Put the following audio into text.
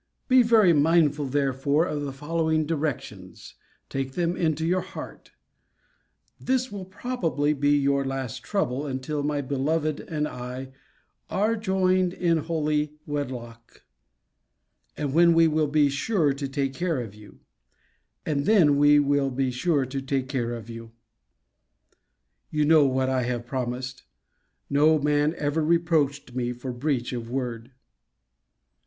Be very mindful, therefore, of the following directions; take them into your heart. This will probably be your last trouble, until my beloved and I are joined in holy wedlock: and then we will be sure to take care of you. You know what I have promised. No man ever reproached me for breach of word.